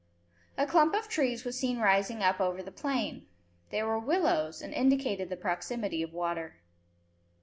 A clump of trees was seen rising up over the plain. They were willows, and indicated the proximity of water.